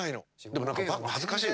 でも何か恥ずかしいわ。